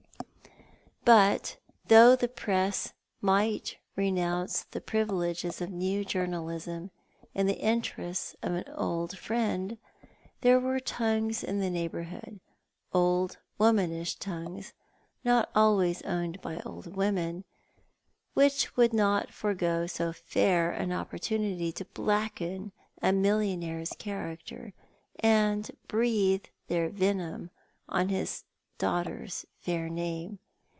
But though the Press might renounce the privileges of the new journalism in the interests of an old friend, there were tongues in the neighbourhood, old womanish tongues, not always owned by old women, which would not forego so fair an oppor tunity to blacken a millionaire's character, and breathe their venom on his daughter's fair name.